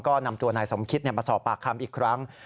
ก็นำตัวนายสมคิตมาสอบปากคำอีกครั้ง